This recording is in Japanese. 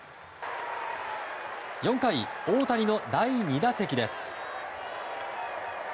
４回、大谷の第２打席です。